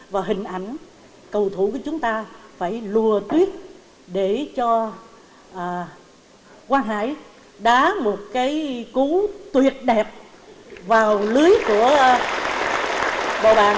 và hình ảnh cầu thủ của chúng ta phải lùa tuyết để cho quang hải đá một cái cú tuyệt đẹp vào lưới của bộ bạn